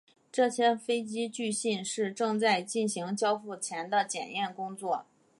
这些飞机据信是正在进行交付前的检验工作。